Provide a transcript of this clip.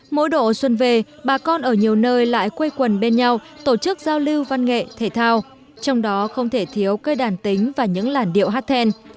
mỗi độ xuân về bà con ở nhiều nơi lại quây quần bên nhau tổ chức giao lưu văn nghệ thể thao trong đó không thể thiếu cây đàn tính và những làn điệu hát then